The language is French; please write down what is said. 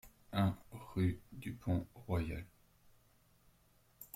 un rue du Pont Royal